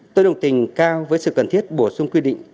tôi đồng tình cao với sự cần thiết bổ sung quy định